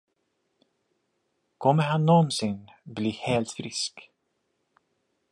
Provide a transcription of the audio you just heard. Kommer han någonsin bli helt frisk?